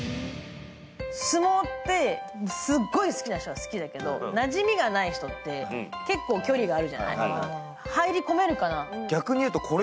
相撲って、すごい好きな人は好きだけど、なじみがない人って結構距離があるじゃない？